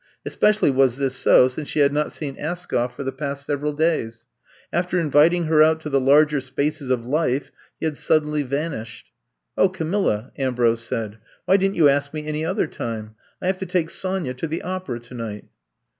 Especially was this so since she had not seen Askoff for the past several days. After inviting her out to the larger spaces of life, he had suddenly vanished. *'0h, Camilla, ' V Ambrose said, why did n 't you ask me any other time t I have to take Sonya to the opera tonight.